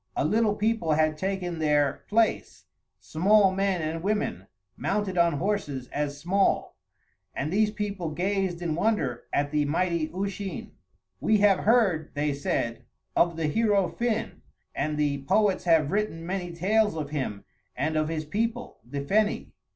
A little people had taken their place, small men and women, mounted on horses as small; and these people gazed in wonder at the mighty Usheen. "We have heard," they said, "of the hero Finn, and the poets have written many tales of him and of his people, the Feni.